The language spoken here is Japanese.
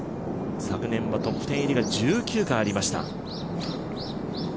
昨年はトップ１０入りが１９回ありました。